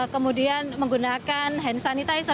kemudian menggunakan hand sanitizer